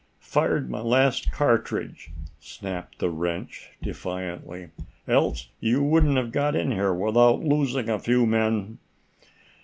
"Fired my last cartridge!" snapped the wretch, defiantly. "Else you wouldn't have got in here without losing a few men!"